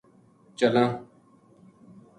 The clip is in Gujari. چلاں